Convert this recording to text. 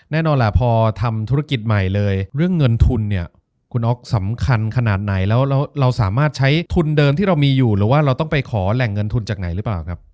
แน่นอนแหละพอทำธุรกิจใหม่เลยเรื่องเงินทุนเนี่ยคุณอ๊อกสำคัญขนาดไหนแล้วเราสามารถใช้ทุนเดิมที่เรามีอยู่หรือว่าเราต้องไปขอแหล่งเงินทุนจากไหนหรือเปล่าครับ